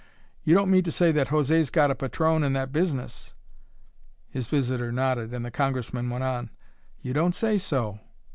"You don't mean to say that José's got a patron in that business!" His visitor nodded and the Congressman went on: "You don't say so!